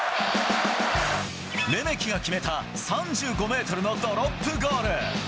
レメキが決めた３５メートルのドロップゴール。